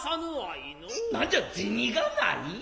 何じゃ銭がない。